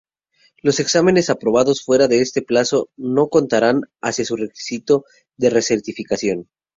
Los exámenes aprobados fuera de este plazo no contarán hacia su requisito de re-certificación.